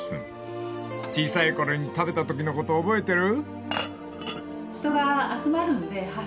［小さい頃に食べたときのことを覚えてる？］